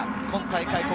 今大会